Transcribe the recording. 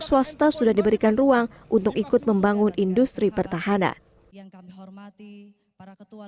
swasta sudah diberikan ruang untuk ikut membangun industri pertahanan yang kami hormati para ketua